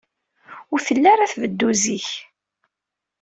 Ur telli ara tbeddu zik.